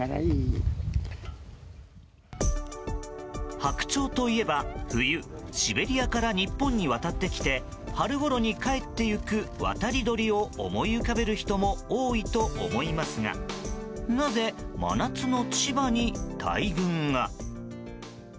ハクチョウといえば冬、シベリアから日本に渡ってきて春ごろに帰っていく渡り鳥を思い浮かべる人も多いと思いますがなぜ真夏の千葉に大群が。